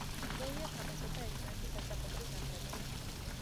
მოია თამაშობდა ესპანეთის ასაკობრივ ნაკრებებში.